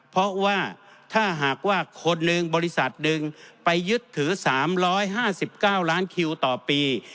เพราะว่าถ้าหากว่าคนหนึ่งบริษัทหนึ่งไปยึดถือ๓๕๙ล้านคิวต่อปี